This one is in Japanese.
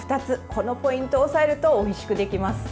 このポイントを押さえるとおいしくできます。